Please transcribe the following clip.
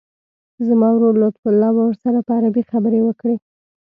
زما ورور لطیف الله به ورسره په عربي خبرې وکړي.